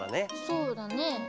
そうだね。